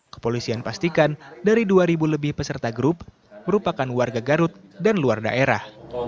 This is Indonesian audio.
kepolisian pastikan dari dua lebih peserta grup merupakan warga garut dan luar daerah